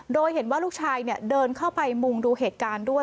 โดยเห็นว่าลูกชายเดินเข้าไปมุงดูเหตุการณ์ด้วย